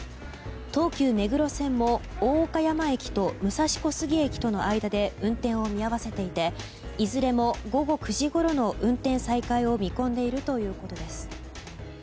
東急目黒線も大岡山駅と武蔵小杉駅との間で運転を見合わせていていずれも午後９時ごろの運転再開を見込んでいるということです。